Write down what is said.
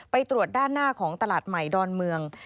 ไปตรวจด้านหน้าของตลาดใหม่ดอนเมือง